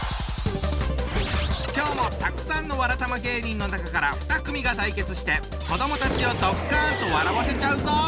今日もたくさんのわらたま芸人の中から２組が対決して子どもたちをドッカンと笑わせちゃうぞ！